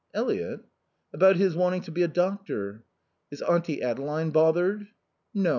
"Eliot?" "About his wanting to be a doctor." "Is Auntie Adeline bothered?" "No.